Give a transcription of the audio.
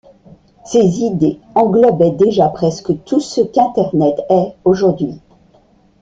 Ces idées englobaient déjà presque tout ce qu'internet est aujourd'hui.